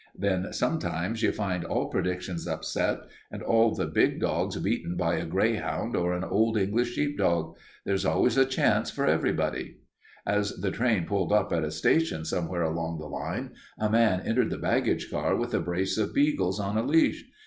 Then sometimes you find all predictions upset, and all the big dogs beaten by a greyhound or an Old English sheepdog. There's always a chance for everybody." [Illustration: Beagles] As the train pulled up at a station somewhere along the line a man entered the baggage car with a brace of beagles on a leash.